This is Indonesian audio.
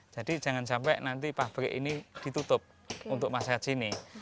jadi jangan sampai nanti pabrik ini ditutup untuk masyarakat sini